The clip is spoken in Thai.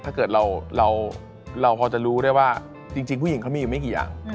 ถ้าเกิดเราพอจะรู้ได้ว่าจริงผู้หญิงเขามีอยู่ไม่กี่อย่าง